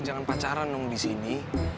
jangan pacaran dong di sini